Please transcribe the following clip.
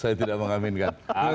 saya tidak mengaminkan